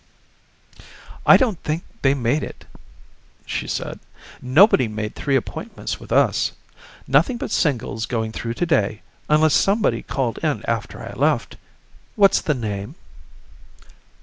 "I don't think they made it," she said. "Nobody made three appointments with us. Nothing but singles going through today, unless somebody called in after I left. What's the name?"